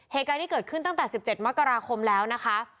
เหตุการณ์ที่เกิดขึ้นตั้งแต่๑๗มกราคมแล้วนะคะ